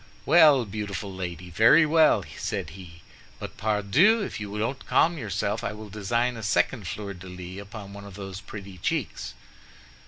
"Well, beautiful lady, very well," said he; "but, pardieu, if you don't calm yourself, I will design a second fleur de lis upon one of those pretty cheeks!"